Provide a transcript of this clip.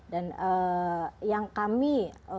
dan yang kami